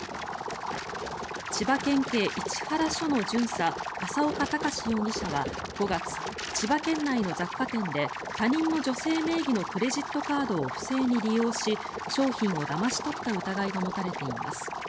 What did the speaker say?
千葉県警市原署の巡査淺岡高志容疑者は５月千葉県内の雑貨店で他人の女性名義のクレジットカードを不正に利用し商品をだまし取った疑いが持たれています。